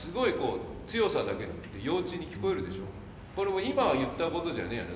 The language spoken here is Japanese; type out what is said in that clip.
これも今言ったことじゃねえよな